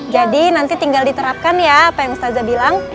jadi nanti tinggal diterapkan ya apa yang ustazah bilang